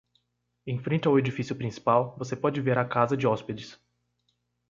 Em frente ao edifício principal? você pode ver a casa de hóspedes.